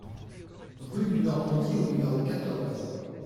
Rue du Normandie au numéro quatorze